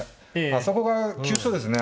あそこが急所ですね。